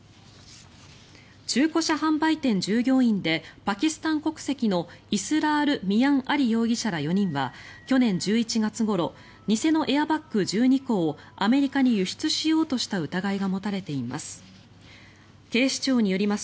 中古車販売店従業員でパキスタン国籍のイスラール・ミアン・アリ容疑者ら４人は去年１１月ごろ偽のエアバッグ１２個をアメリカに輸出しようとした疑いが持たれています。